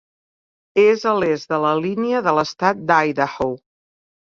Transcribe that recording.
És a l'est de la línia de l'estat d'Idaho.